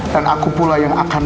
aku pula yang akan